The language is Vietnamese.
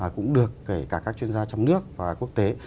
cũng được kể cả các chuyên gia trong nước và quốc tế